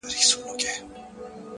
پر ښايستوكو سترگو؛